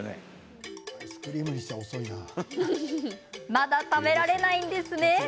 まだ食べられないんですね。